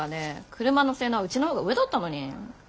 車の性能はうちのほうが上だったのに。